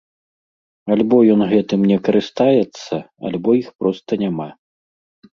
Альбо ён гэтым не карыстаецца, альбо іх проста няма.